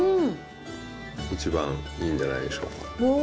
一番いいんじゃないでしょうか。